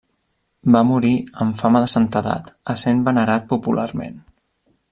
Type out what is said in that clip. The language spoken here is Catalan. Va morir amb fama de santedat, essent venerat popularment.